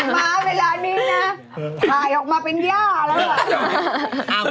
ม้าเวลานี้นะหลายออกมาเป็นหญ้าแล้ว